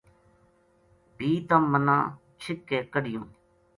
بھی تم منا چِھک کے کڈھیوں‘‘